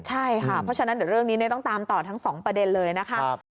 ใช่ค่ะเพราะฉะนั้นเดี๋ยวเรื่องนี้ต้องตามต่อทั้งสองประเด็นเลยนะคะ